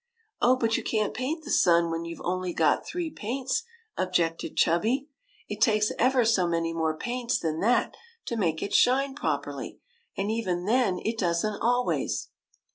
" Oh, but you can't paint the sun when WENT TO THE MOON 175 you Ve only got three paints," objected Chubby. " It takes ever so many more paints than that to make it shine properly; and even then, it does n't always."